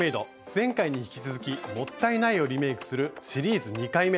前回に引き続き「もったいない」をリメイクするシリーズ２回目。